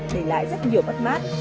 để lái rất nhiều bất mát